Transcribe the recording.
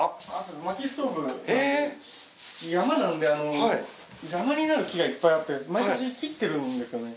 うち山なんで邪魔になる木がいっぱいあって毎年切ってるんですよね。